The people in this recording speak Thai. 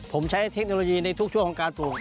ผมใช้เทคโนโลยีในทุกช่วงของการปลูก